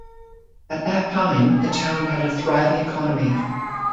At that time the town had a thriving economy.